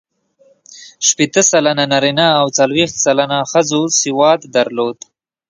شپېته سلنه نارینه او څلوېښت سلنه ښځو سواد درلود.